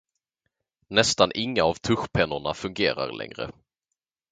Nästan inga av tuschpennorna fungerar längre.